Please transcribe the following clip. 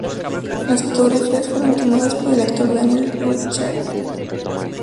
Las fotografías fueron tomadas por el actor Daniel Richter.